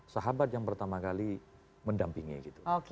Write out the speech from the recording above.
sahabat yang pertama kali mendampingi gitu